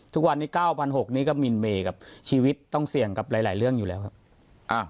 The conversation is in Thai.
ทุกวันนี้๙๖๐๐นี่ก็มินเมย์กับชีวิตต้องเสี่ยงกับหลายเรื่องอยู่แล้วครับ